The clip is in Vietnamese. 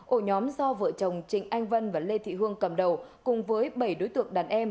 ổ nhóm do vợ chồng trịnh anh vân và lê thị hương cầm đầu cùng với bảy đối tượng đàn em